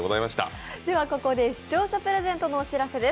視聴者プレゼントのお知らせです。